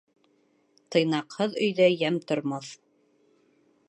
Тыйнаҡһыҙ өйҙә йәм тормаҫ.